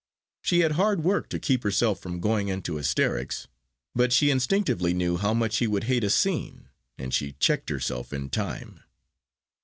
She had hard work to keep herself from going into hysterics, but she instinctively knew how much he would hate a scene, and she checked herself in time.